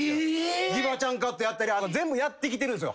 ギバちゃんカットやったり全部やってきてるんすよ